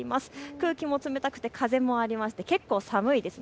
空気も冷たくて風もありまして結構寒いです。